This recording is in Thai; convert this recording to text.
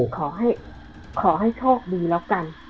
ขอให้โชคดีแล้วกัน